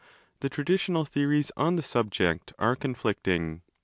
The traditional theories on the subject are conflicting.